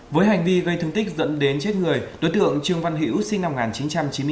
với hành vi gây thương tích dẫn đến chết người đối tượng trương văn hữu sinh năm một nghìn chín trăm chín mươi bốn